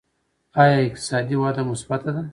آیا اقتصادي وده مثبته ده؟